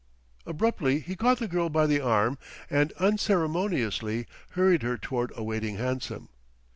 Abruptly he caught the girl by the arm and unceremoniously hurried her toward a waiting hansom.